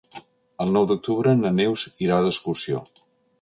El nou d'octubre na Neus irà d'excursió.